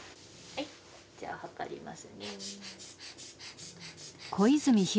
はいじゃあ測りますね。